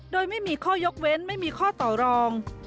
โดยไม่มีข้อยกเว้นไม่มีข้อต่อรอง